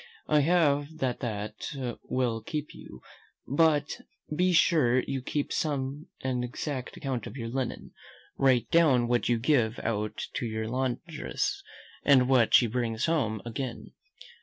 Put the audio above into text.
I have that that will keep you; but be sure you keep an exact account of your linen. Write down what you give out to your laundress, and what she brings home again.